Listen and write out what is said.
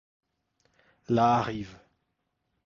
La arrive.